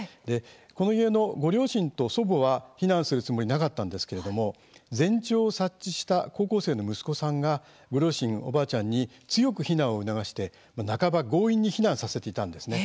この家のご両親と祖母は避難するつもりなかったんですけれども前兆を察知した高校生の息子さんがご両親、おばあちゃんに強く避難を促して、半ば強引に避難させていたんですね。